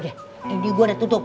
gini gue udah tutup